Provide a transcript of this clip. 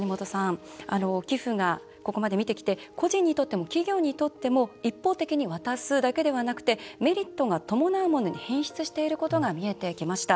寄付が、ここまで見てきて個人にとっても企業にとっても一方的に渡すだけではなくメリットが伴うものに変質していることが見えてきました。